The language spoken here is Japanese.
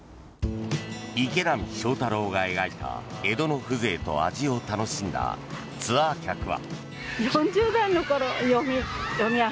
池波正太郎が描いた江戸の風情と味を楽しんだツアー客は。